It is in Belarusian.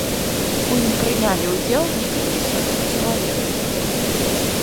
У ім прынялі ўдзел некалькі сотняў чалавек.